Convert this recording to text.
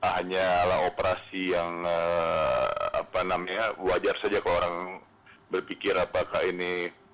hanyalah operasi yang apa namanya wajar saja kalau orang berpikir apakah ini